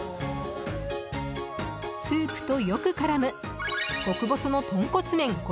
スープとよく絡む極細のとんこつ麺５